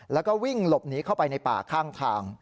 แล้วก็วิ่งหลบหนีเข้าไปในป่าข้างทาง